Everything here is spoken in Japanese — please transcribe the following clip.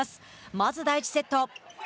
まず、第１セット。